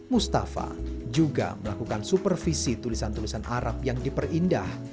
mustafa juga melakukan supervisi tulisan tulisan arab yang diperindah